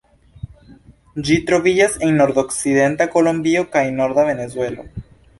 Ĝi troviĝas en nordokcidenta Kolombio kaj norda Venezuelo.